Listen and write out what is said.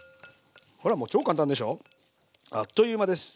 ほらもう超簡単でしょ？あっという間です。